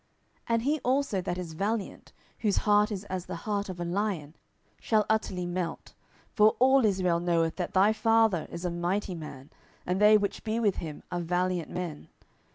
10:017:010 And he also that is valiant, whose heart is as the heart of a lion, shall utterly melt: for all Israel knoweth that thy father is a mighty man, and they which be with him are valiant men.